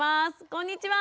こんにちは！